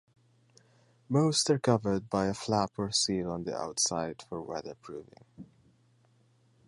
Most are covered by a flap or seal on the outside for weatherproofing.